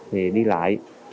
thì đi lại